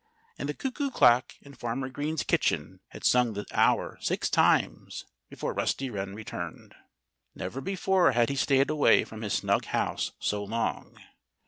And the cuckoo clock in Farmer Green's kitchen had sung the hour six times before Rusty Wren returned. Never before had he stayed away from his snug house so long.